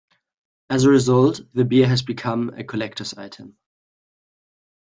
As a result, the beer has become a collector's item.